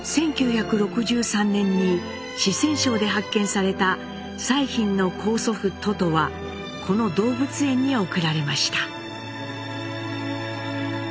１９６３年に四川省で発見された彩浜の高祖父・都都はこの動物園に送られました。